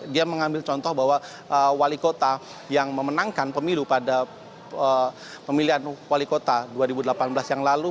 dia mengambil contoh bahwa wali kota yang memenangkan pemilu pada pemilihan wali kota dua ribu delapan belas yang lalu